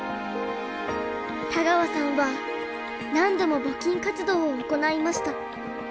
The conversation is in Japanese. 田川さんは何度も募金活動を行いました。